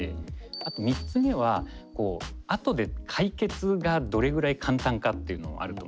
あと３つ目はあとで解決がどれぐらい簡単かっていうのはあると思って。